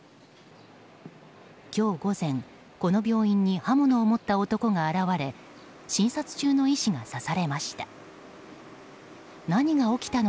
今日午前、この病院に刃物を持った男が現れ診察中の医師が刺されました。